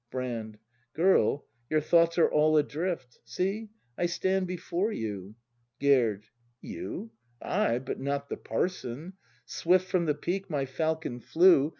Brand. Girl, your thoughts are all adrift; See, I stand before you. Gerd. You? Ay, but not the parson! Swift From the peak my falcon flew.